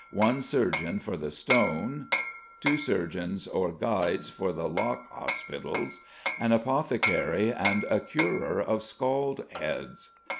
one surgeon for the stone, two surgeons or "guides" for the lock hospitals, an apothecary, and "a curer of scald heads."